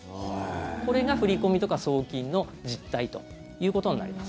これが振り込みとか送金の実態ということになります。